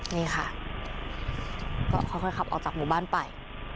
นี่ค่ะก็ค่อยขับออกจากหมู่บ้านไป